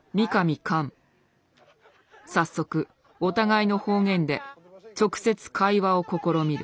早速お互いの方言で直接会話を試みる。